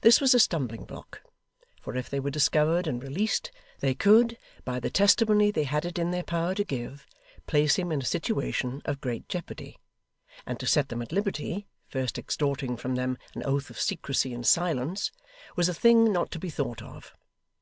This was a stumbling block; for if they were discovered and released, they could, by the testimony they had it in their power to give, place him in a situation of great jeopardy; and to set them at liberty, first extorting from them an oath of secrecy and silence, was a thing not to be thought of.